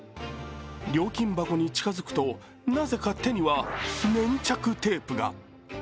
料金箱に近づくと、なぜか手には粘着テープが。